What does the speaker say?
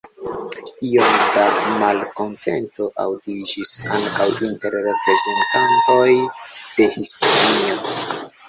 Iom da malkontento aŭdiĝis ankaŭ inter reprezentantoj de Hispanio.